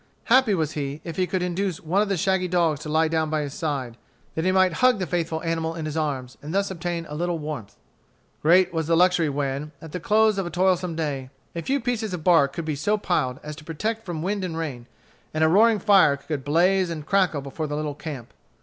Happy was he if he could induce one of the shaggy dogs to lie down by his side, that he might hug the faithful animal in his arms, and thus obtain a little warmth. Great was the luxury when, at the close of a toilsome day, a few pieces of bark could be so piled as to protect from wind and rain, and a roaring fire could blaze and crackle before the little camp.